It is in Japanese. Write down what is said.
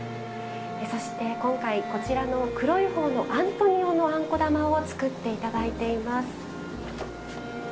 そして今回こちらの黒い方のアントニオのあんこ玉を作って頂いています。